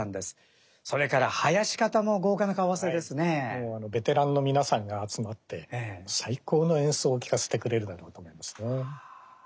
もうベテランの皆さんが集まって最高の演奏を聴かせてくれるだろうと思いますね。